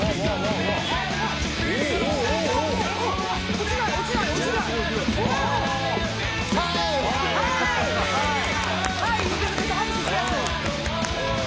落ちない、落ちない！